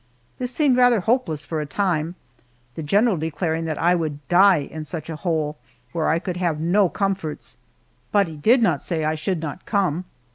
This seemed rather hopeless for a time, the general declaring I would "die in such a hole," where I could have no comforts, but he did not say I should not come.